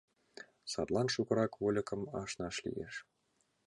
Садлан шукырак вольыкым ашнаш лиеш.